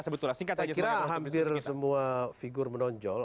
saya kira hampir semua figur menonjol